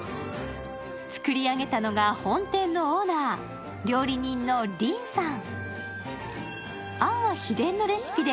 作り上げたのが、本店のオーナー料理人のリンさん。